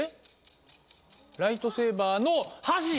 ライトセーバーの箸！